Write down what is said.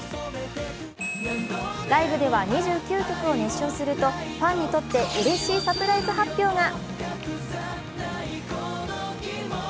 ライブでは２９曲を熱唱するとファンにとってうれしいサプライズ発表が。